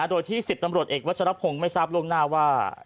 โดยที่๑๐ตำรวจเอกวัชรพงศ์ไม่ทราบล่วงหน้าว่า